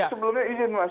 sebelumnya izin mas